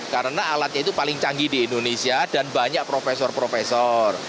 karena alatnya itu paling canggih di indonesia dan banyak profesor profesor